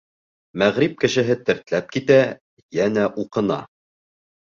Мәғриб кешеһе тертләп китә, йәнә уҡына.